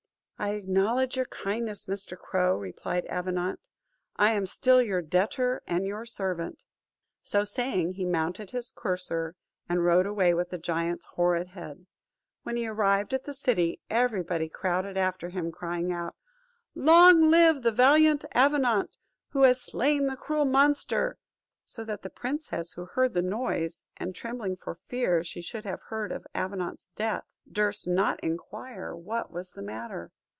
"I acknowledge your kindness, Mr. Crow," replied Avenant; "I am still your debtor, and your servant." So saying, he mounted his courser, and rode away with the giant's horrid head. When he arrived at the city, every body crowded after him, crying out, "Long live the valiant Avenant, who has slain the cruel monster!" so that the princess, who heard the noise, and trembling for fear she should have heard of Avenant's death, durst not inquire what was the matter.